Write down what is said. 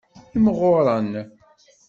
Imɣuren.